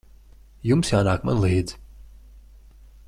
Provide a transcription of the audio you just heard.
Jums jānāk man līdzi.